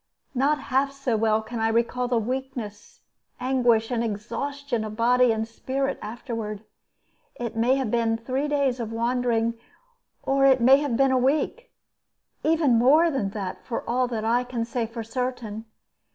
Not half so well can I recall the weakness, anguish, and exhaustion of body and spirit afterward. It may have been three days of wandering, or it may have been a week, or even more than that, for all that I can say for certain.